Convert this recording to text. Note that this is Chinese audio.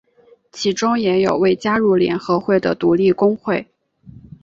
其中也有未加入联合会的独立工会。